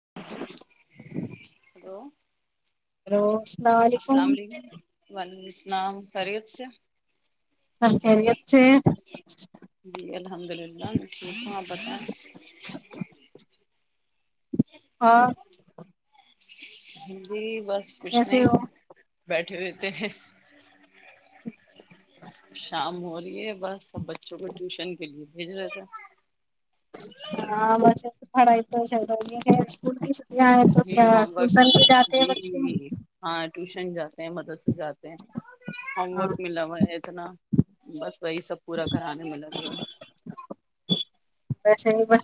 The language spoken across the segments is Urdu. [inaudible] [inaudible] روسٹ السلام علیکم وعلیکم السلام خیریت سے سب خیریت سے جی الحمد للہ میں [inaudible] ہاں جی بس کچھ نہیں ہو بیٹھ [inaudible] شام ہو رہی ہے بس بچوں کو ٹیوشن کے لیے [inaudible] ہاں بس فڑائی تو اتر گی اسکوٹی سے جی ہوم ورک وغیرہ جی بچے جی ہاں اٹلیسٹ اسکول جاتے ہیں مدد سے جاتے ہیں ہوم ہاں ورک ملا میں اتنا بس وہی سب پورا کرانے میں لگے ہے ویسے نہیں بس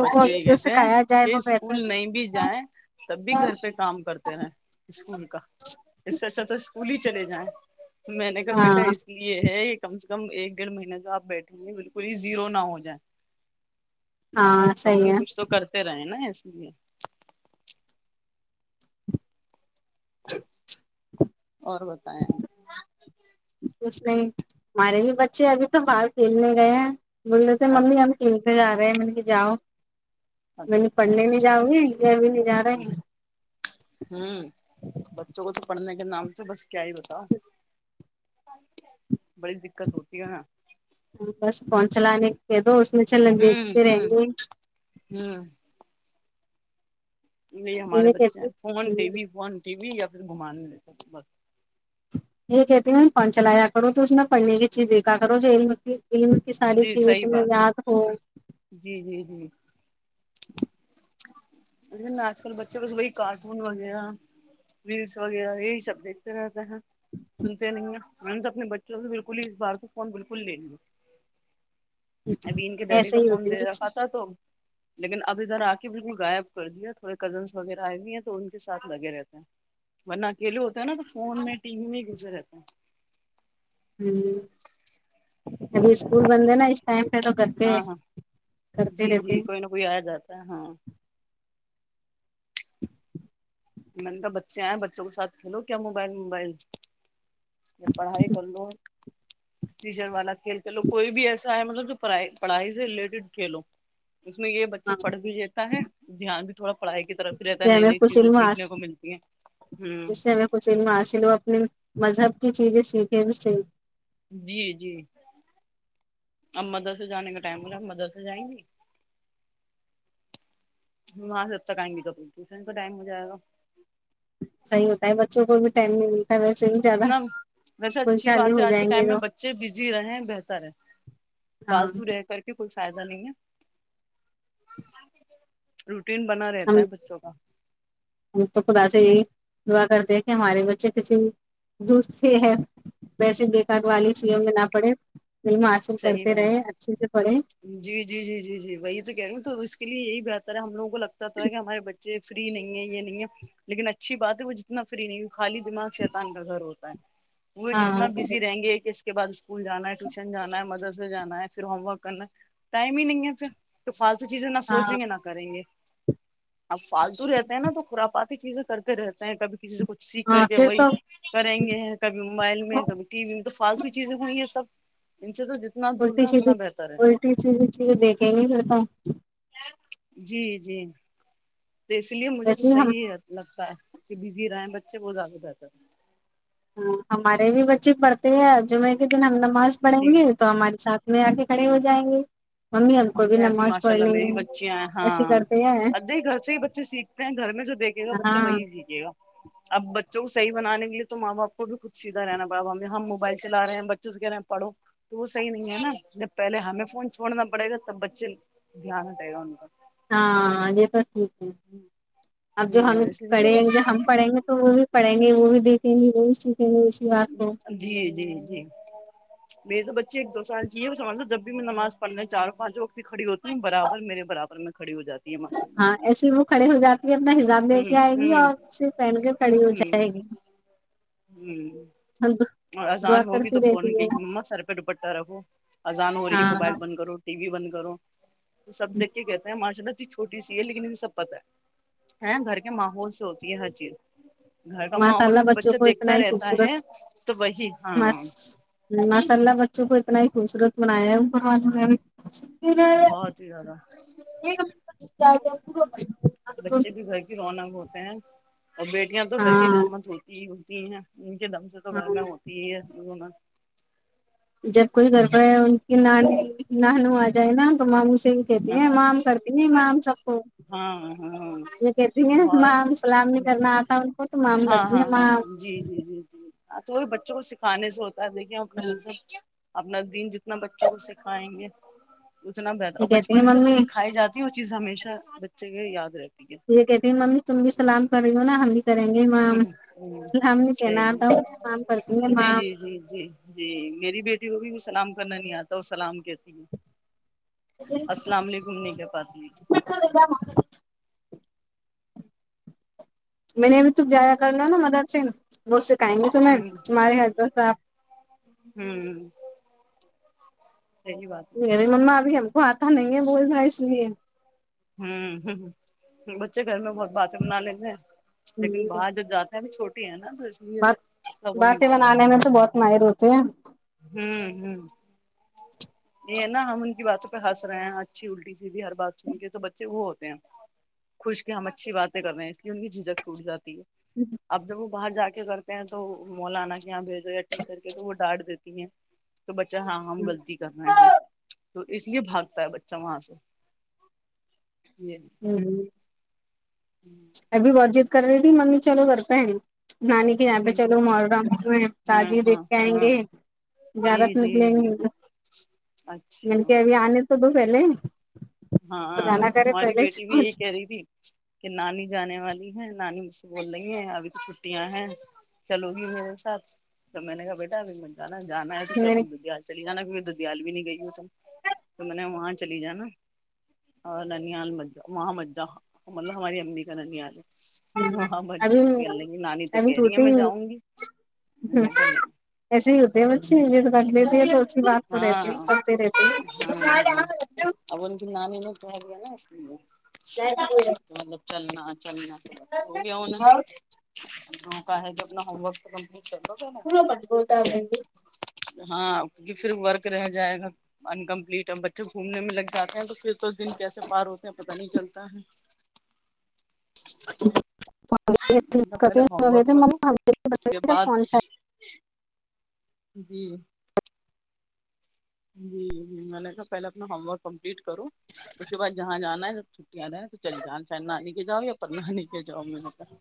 بچے یہ کہتے ہیں کہ بہتر اسکول نہیں بھی ہے۔ جائیں تب بھی گھر پہ کام کرتے اسکول کا اس سے اچھا تو اسکول ہی چلے جائیں میں نے کہا ہاں بیٹا اس لیے ہے ایک کم سے کم ایک ڈیڑھ مہینے کا آپ بیٹھیں گے بالکل ہی زیرو نہ ہو جائے ہاں کم صحیح لم ہے کچھ تو کرتے رہے نا [inaudible] اور بتائیں کچھ نہیں ہمارے بھی بچے ابھی تو باہر کھیلنے گئے ہیں بولے تھے آپ؟ ممی ہم کین سے جا رہے ہیں م جاؤ م نے اچھا پڑھنے میں جاؤں گی ب نہیں جا رہے ہیں ہوں بچوں کو تو پڑھنے کے نام تو بس کیا ہی بتاؤ بڑی دقت ہوتی ہے نا چلان دو میں چل ہوں دیکھتے رہیں ہوں گے یہ ہمارے بچے ہیں phone T V phone T V ا پھر گھمانے لے س بس یہ کہتے ہیں پن چلایا کرو تو اس میں پڑھنے کی چیز دیکھا کرو جو علم کی ساری جی چیزیں صحیح تمیں بات یاد ہے ہو جی جی جی [inaudible] ل آج کل بچوں کو وہی کارٹون وغیرہ ریلس وغیرہ یہی سب دیکھتے رہتے ہیں سنتے نہیں ہیں میں نے تو اپنے بچوں سے بالکل ہی اس بار کو فون بالکل لے ل ابھی ان کے ڈیڈی ایسے کا ہی فون ہوتی دے رکھا ہے تھا تو لیکن اب ادھر آ کے بالکل غائب کر دیا تھوڑے کزنس وغیرہ آئے ہوئے ہیں تو ان کے ساتھ لگے رہتے ہیں ورنہ اکیلے ہوتے ہیں نا تو فون میں ٹی وی میں ہی گزرے رہتے ہیں ہ ابھی اسکول بند ہے نا اس ٹائم پہ تو کر ہاں ہاں جی جی کوئی نہ کوئی آیا جاتا ہے ہاں میں نے تو بچے آئے بچوں کے سھ کھیلو کیا موبائل موبائل میں پڑھائی کر لو ٹیشن والا کھیل ک لو کوئی بھی ایسا ہے مطلب جو پڑائی پڑھائی سے ریلیٹڈ کھیلو اس میں یہ بچہ ہاں پڑھ بھی لیتا ہے دھیان بھی تھوڑا پڑھائی کی طرف ہی جس رہتا ہے سے نئی ہمیں نئی کچھ چیزیں علم سیکھنے کو ملتی ہیں ہوں جس سے ہمیں کچھ علم حاصل ہو اپنے مذہب کی چیزیں سیکھیں بھی صحی جی جی اب مدرسے جانے کا ٹائم ہو رہا مدرسے جائیں گی وہاں سے جب تک آئیں گی تب ٹیوشن کا ٹائم ہو جائے گا صحی ہوتا ہے بچوں کو بھی ٹائم نہیں ملتا ویسے بھی زیادہ جتنا ویسے اسکول اچھی بات چالو ہے ہو آج کے جائیں ٹائم گے تو میں بچے بزی رہے بہتر ہے ہاں فالتو رہ کر کے کچھ فائدہ نہیں ہے دل بنا رہتا ہم ہے بچوں کا ہم تو خدا سے یہی دعا کرتے کہ ہمارے بچے کسی دوست ہی ہے ویسے بے کار والے چیزوں میں نہ پڑے علم حاصل صحی کرتے رہے بات اچھے سے پڑھے جی جی جی جی جی وہی تو کہہ رہی ہوں تو اس کے لیے یہی بات پھر ہم لگ کو لگتا ہے کہ ہمارے بچے فری نہیں ہے یہ نہیں ہے لیکن اچھی بات ہے وہ جتنا فری نہیں خالی دماغ شیطان کا گھر ہوتا ہے وہ جتنا ہاں بزی رہیں گے کے بعد اسکول جانا ہے ٹیوشن جانا ہے مدر سے جانا ہے پھر ہوم ورک کرنا ہے ٹائم ہی نہیں ہے پھر تو فالتو چیزیں نہ ہاں سوچیے گے نہ کریں گے اب فالتو رہتے ہیں نا تو خورافاتی چیزیں کرتے رہتے ہیں کبھی کسی سے کچھ سیکھ کر ہاں کے پھر وہی تو کریں گے ہیں کبھی موبائل میں کبھی ٹی وی میں تو فالتو چیزیں ہوئی یہ سب ان سے تو جتنا دور الٹی رہے سیدھی اتنا بہتر ہے الٹی سیدھی چیز دیکھیں گے پھر بعد میں جی جی تو اس لیے مجھے تو ویسے ہم صحیح لگتا ہے کہ بزی رہے ہیں بچے [unintelligible] ہمارے بھی بچے پڑھتے ہیں جمعے کے دن ہم نماز ہے پڑھیں جی گے تو ہمارے ساتھ میں آ کے کھڑے ہو جائیں گے ممی ہم کو بھی ایسے نماز ماشاء اللہ پڑھنی میری ہے بچیاں ہیں ایسے ہاں کرتے ہیں ادے ہی گھر سے ہی بچے سیکھتے ہیں گھر میں جو دیکھے گا بچہ ہاں وہی سیکھے گا اب بچوں صیح بنانے کے لیے تو ماں باپ کو بھی سیدھا رہنا پڑےگا اب ہم موبائل چلا رہے ہیں بچوں سے کہہ رہے پڑھو وہ صحی نہیں ہے نہ پہلے ہمیں فون چھوڑنا پڑیگا تب بچے دھیان دیگا ہاں جی اب جو ہم اس لیے پڑیں گے ہم جو پڑھیں گے تو وہ بھی پڑھیں گے نہیں وہ بھی دیکھے گے وہی سیکھے گے اسی بات کو جی جی جی میرے تو بچے ایک دو سال کے ہوئے وہ سمجھو جب بھی میں نماز پڑھنا چار پانچوں وقت کی بھی ہوتی برابر میرے برابر میں کھڑی ہو جاتی ہاں ایسے ہی وہ کھڑے ہو جاتے ہ ہ پہن کے کھڑی ہو ہ جائے گی ہ اور دعا اذان ہوگی کرتی تو رہتی فون کے ہے ہی ما سر پہ دپٹہ رکھو اذان ہو رہی ہے ہاں موبائل بند کرو ٹی وی بند کرو تو سب دیک کے کہتے ہیں ماشالہ چھوٹی سی ہے لیکن انیں سب پتتا ہے ہے گھر کے ماحول سے ہوتی ہے ہر چیز گھر کا ماحول مسالا میں جو بچوں بچہ کو اتنا دیکھتا ہی رہتا خوبصورت ہے تو وہی ہاں مسالہ بچوں کو اتنا ہی خوبصورت منایا ہے او والوں بہت ہی زیادہ بچے بھی گھر کی رونق ہوتے ہیں اور بیٹیاں تو وی کی ہاں رحمت ہوتی ہی ہو جی نا ان کے دم سے تو گھر ہاں میں ہوتی ہی ہے ل جب کوئی گبہ ہے ان کی نان نہانو آ جائے نا گمام س کہتی ہاں ہیں مام کرتی نہیں مام سب کو ہاں یہ کہتی ہیں بہت مام سلام نہیں کرنا آتا ان کو تو مام ہاں کرتی ہاں ہیں ہاں مام ہاں جی جی جی جی تو بھی بچوں کو سکھانے سے ہو کر د کیوں پر ہاں مط سے اپنا دین جتنا بچوں کو سکھائیں گے اتنا بہتر یہ اور کہتی ہیں بپنے سےے ممی سکھائے جاتا ہے ج وہ چیز ہمیشہ بچے کے یاد رہتی ہے یہ کہتی ممی تم بھی سلام کر رہی نہ ہم کریں گے ہ مام ہ سلام نہیں صحیح کہنا آتا ہوں مام کرتی ہیں ہے جی مام جی جی جی جی میری بیٹی کو بھی سلام کرنا نہیں آتا وہ سلام کہتی ہے السلام علیکم نہیں کہہ پاتی [unintelligible] میں نے ابھی ت جایا کرنا نا مدرسنھ ب سے کہیں گ تو میں ہ تہارے ہس آپ جاں [inaudible] نہیں مما ابھی ہم وہ آتا نہیں ہے بول رہ اس لیے ہوں ہ ہ بچے گھر میں بہت باتیں بنا لیتے ہیں لیکن باہر جب جاتا ہے چھوٹا ہےا [unintelligible] بات باتیں بن آنے میں تو بہت ماہر ہوتی ہیں ہ ہ یہ نا ہم ان کی باتوں پہ ہنس رہے ہیں اچھی الٹی جی بھی ہر بات سن کے بچے وہ ہوتے ہیں خوش کے ہم اچھی باتیں کر رہے ہیں اس لیے ان کی جھجک ٹوٹ جاتی اب جب وہ باہر جا کے کرتے ہیں تو مولانا اں بھیجو ٹیچر کے تو وہ ڈانٹ دیتے کی ہے تو بچہ ہاں ہم غلطی کر رہے ہیں تو اس لیے بھاگتا ہے بچہ وہاں سے یہ ھم ا بھی مرج کر رہی ت ممی چلو کر پنے نانی کے یہاں پہ جی جی چلو م رہا ہاں شادی دیکھ ہاں کے آئیں ہاں گے جی زجارت جی نکلیں گے جی مل اچھا کے ابھی آنے سب بل ہاں ہماری بیٹی بھی یہی سمجھ کہہ رہی تھی کہ نانی جانے والی ہے نانی بس بول رہی ہیں ابھی تو چھٹیا ہیں چلو گی میرے ساتھ تو میں نے کہا بیٹا ابھی م جانا جانا ہے تو میں اپ نے دنیا سے چلی جانا دیال بھی نہیں گئی ہو ت تو میں نے وہاں چلی جا نا اور ننیاال م وہاں مجہ مطلب ہماری امی کا ننیاال ہے ہ وہاں مت ابھی جاؤ کہنے لگی نانی تو ابھی کہہ رہی ہے شوٹگ میں ہ جاؤں گی میں نے کہا ایسے ہی ہوتے ہے بچھی رکھ لیتی نہیں ہے تو اھی بات کو رہتی ہاں کرتے رہتے ہاں ہاں اب ان کی نانی ن توج ہے نا اس مطلب چلنا چلنا تو ب ہو گیا ان وہ کا ہے کہ اپنا ہومک تو کمپلیٹ کر ل گ ن ہاں کیکہ پھر ورک رہ جائے گا ان کمپلیٹ ا بچے گھومنے میں لگ جاتے ہیں تو پھر ک دن کیسے پار ہوتے ہیں پتا نہیں چلتا ہے اچھا ہے پہلے ہوم [inaudible] ورک کرو اس کے بعد جی جی [inaudible] جی ج میں نے کہا پہلے اپنا ہوم ورک کمپلیٹ کروں اس کے بعد جہاں جانا ہے جب چھٹیاں جائیں تو چلی جانا چاہے نانی کے جاؤ یا پرنانی کے جاؤ میں نے کہا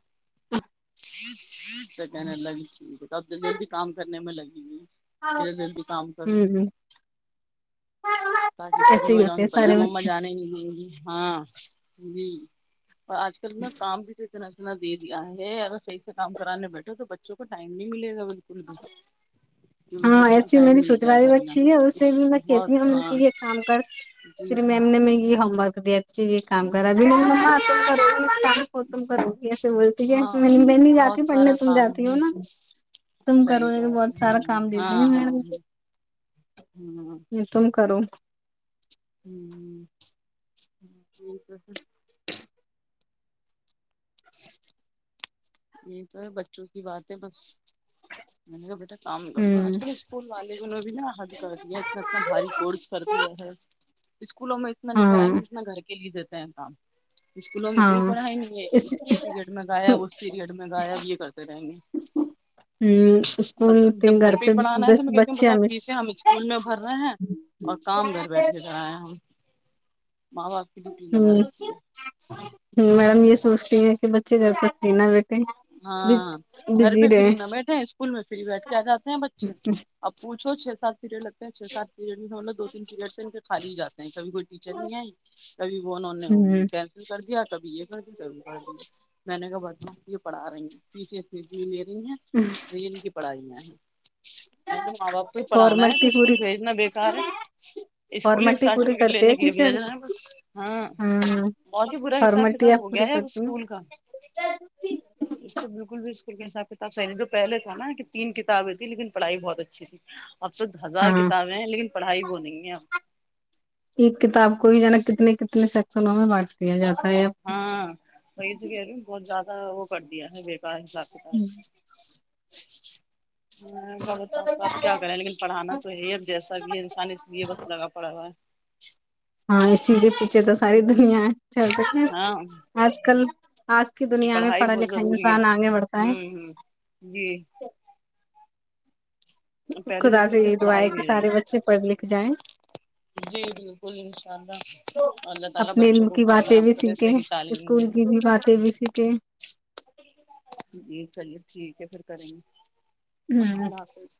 کہنے لگی ٹھیک ہےب جلدی کام کرنے میں لگی گئی پیرے دل کو کام کروں تاکہ فری ایسے ہی ہو جاؤ ہوتے میں ہیں پتا ہے سارے مما بچے جانے ہی نہیں جی ہاں جی پر آج کل نہ کام بھی تو اتنا انا دے دیا ہے اگر صحیح سے کام کرانے بیٹھے تو بچوں کو ٹائم نہیں ملے گا بالکل بھی کہ ہاں بچوں کو ایسی ٹائم میری مل چھوٹی جائے والی گھر میں بچھی اسے بھی میں بہت کہتی ہوں م ہاں یہ کام جی کرری میم نے م یہ ہومورک [unintelligible] یہ کام کرا بھی [unintelligible] تم کرو گی ایسے بولتی ہے ہاں میں میں نہیں جاتی بہت پڑھنے سارا تم کام جاتی ہو نا تم کرو صحیح بات بہت ہے سارا ہاں ہاں ہاں [unintelligible] کرو ہ ہ ٹھیک ہے پھر یہ تو ہے بچوں کی باتیں بس میں نے کہا بیٹا کام کر لوں آج ہوں کل اسکول والے نے بھی نا حل کر دیا اتنا اتنا بھاری کورس کر دیا ہے اسکو میں اتنا نہیں کریں ہاں گےجیتنا گھر کے لیے دیتے ت کام اسکولوں میں کوئی ہاں پڑھائی نہیں ہے اس پیریٹ میں غائب اس پیریڈ میں گیا اب یہ کرتے رہیں گے ہوں ب اسکول کے جب گھر پہ ہی پڑھانا ہے تو میں کہتی ہ بچے ہیں بتا مس فیسیں ہم اسکول میں بھر رہے ہیں اور کام گھر بیٹھے کرائے ہم ماں باپ کی ڈوٹی لگا رکھی ہے ہم یہ سوچتی ہیں کہ بچے گھر پر پینا بیٹھ ہاں گھر پہ فری نہ بیٹھے اسکول میں فری بیٹھ کے آ جاتے ہیں بچے اب پوچھو چھ سات پیریڈ لگتے چھ سات پیریڈ میںہوں دو تین پیریڈ ان کے خالی ہی جاتے ہیں کبھی کوئی ٹیچر نہیں آئی کبھی وہ انہوں ہوں کینسل کر دیا کبھی [unintelligible] [unintelligible] پڑا رہی ہیں پیے ان کی پڑھائیاں ہیں ماں باپ کو پڑھانا ہے تو فارملٹی اسکول پوری بھیجنا بیکار ہے اسکول ایک فارملٹی پوری سرٹیفکٹ کرتے لینے ہیں کے لیے بھیجنا ٹیچرس ہے بس ہاں ہاں اور بھی برا حساب کتاب فارملٹیاں ہو گیا پوری ہے کرتی اسکول کا ہیں ایک تو بالکل بھی اسک صاحب کتاب صحیح تو پہلے تھا نا کہ تین کتابیں تھی لیکن پڑھائی بہت اچھی تھی اب تو ہزار ہاں کتابیں ہیں لیکن پڑھائی وہ نہیں ہے اب ایک کتاب کو ہی ج نا کتنے کتنے سیکسنوں میں بانٹ دیا جاتا ہے اب ہاں وہی ج گی بہت زیادہ [unintelligible] وہ کردیا کا حساب کتاب ب آپ کیا کریں لیکن پڑھانا توی اب جیسا سب [unintelligible] پانی لیے بس لگا پڑا ہے ہاں اسی کے پیچھے تو ساری ہے دنیا چل ہاں آج کل آج کی دنیا میں پڑھائی بہت ضروری ہے لکھائیسان آگے بڑھتا ہے ہوں ہوں جی پہلے خدا جیسے سے لیکن یہی دعا ہے پڑھائی کہ نہیں رہی سارے بچے پڑھ لکھ جائیں جی بالکل شاء اللہ اللہ تعالی اپنے بچوں علم کو کی باتیں بھی کامیاب کرے سیکھیں صحیح تعلیم اسکول دیں کی بھی باتیں بھی سیکھیں جی چلیے ٹھیک ہے پھر کریں گے اللہ سیکھیں حافظ